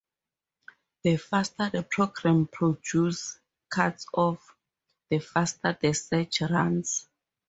The faster the program produces cutoffs, the faster the search runs.